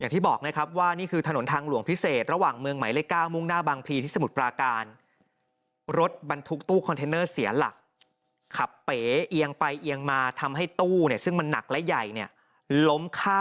ทั้งนั้นมันหลุดง่ายจังเลยอ่ะ